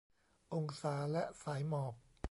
องศาและสายหมอก